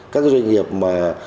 các cái doanh nghiệp mà